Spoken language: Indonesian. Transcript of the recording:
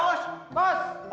oh bosnya kicap itu